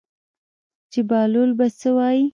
چې بهلول به څه وایي.